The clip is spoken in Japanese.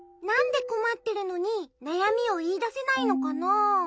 なんでこまってるのになやみをいいだせないのかな？